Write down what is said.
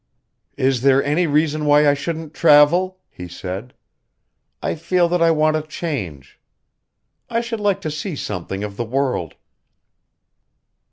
"Is there any reason why I shouldn't travel?" he said. "I feel that I want a change. I should like to see something of the world."